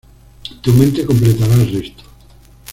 Tu mente completará el resto".